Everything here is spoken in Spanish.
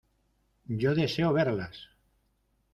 ¡ yo deseo verlas!